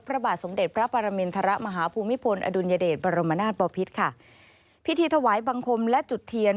พระบาทสมเด็จพระปรมินทรมาฮภูมิพลอดุลยเดชบรมนาศบอพิษค่ะพิธีถวายบังคมและจุดเทียน